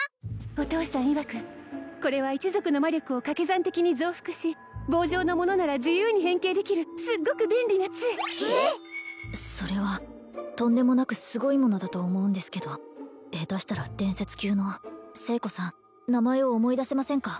お父さんいわくこれは一族の魔力をかけ算的に増幅し棒状の物なら自由に変形できるすっごく便利な杖それはとんでもなくすごいものだと思うんですけどヘタしたら伝説級の清子さん名前を思い出せませんか？